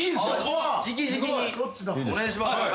お願いします。